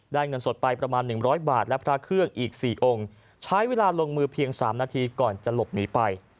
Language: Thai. เงินสดไปประมาณ๑๐๐บาทและพระเครื่องอีก๔องค์ใช้เวลาลงมือเพียง๓นาทีก่อนจะหลบหนีไป